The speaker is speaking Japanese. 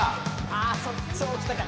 あそう来たか。